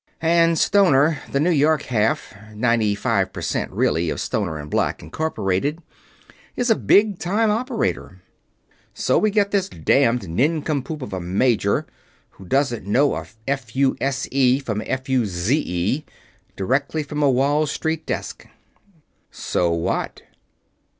"And Stoner, the New York half ninety five percent, really of Stoner and Black, Inc., is a Big Time Operator. So we get this damned nincompoop of a major, who doesn't know a f u s e from a f u z e, direct from a Wall Street desk." "So what?"